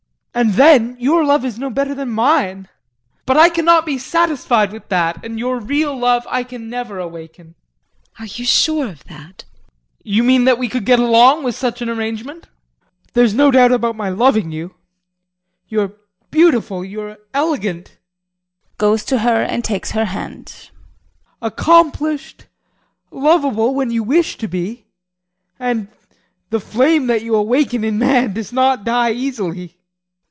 And then your love is no better than mine. But I cannot be satisfied with that, and your real love I can never awaken. JULIE. Are you sure of that? JEAN. You mean that we could get along with such an arrangement? There's no doubt about my loving you you are beautiful, you are elegant [Goes to her and takes her hand] accomplished, lovable when you wish to be, and the flame that you awaken in man does not die easily.